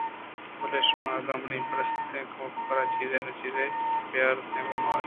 بلئے شما اگاں منی پیسریگیں کمکار اَتےگُڑا چیزے نا چیزے بیارتیں گوں وتا